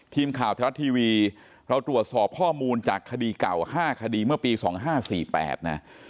ทีมข่าวไทยรัฐทีวีเราตรวจสอบข้อมูลจากคดีเก่า๕คดีเมื่อปี๒๕๔๘นะ